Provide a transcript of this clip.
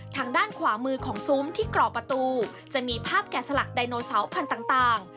ทางด้านขวามือของซุ้มที่กรอกประตูจะมีภาพแก่สลักไดโนเสาร์พันธุ์ต่าง